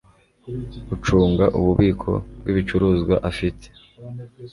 ucunga ububiko bw ibicuruzwa afite